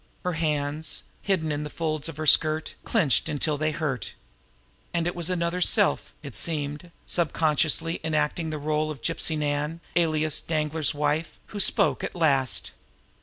Her hands, hidden in the folds of her skirt, clenched until they hurt. And it was another self, it seemed, subconsciously enacting the role of Gypsy Nan, alias Danglar's wife, who spoke at last.